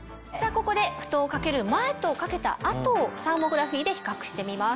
ここでふとんを掛ける前と掛けた後をサーモグラフィーで比較してみます。